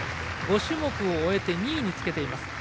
５種目を終えて２位につけています。